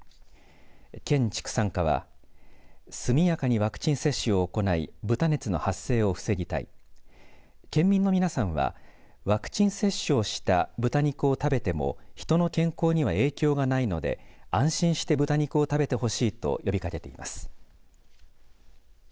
県畜産課は速やかにワクチン接種を行い豚熱の発生を防ぎたい県民の皆さんはワクチンを接種をした豚肉を食べても人の健康には影響がないので安心して豚肉を食べてほしいと呼びかけています。